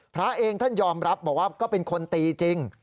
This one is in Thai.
พระเองท่านยอมรับบอกว่าก็เป็นคนตีจริง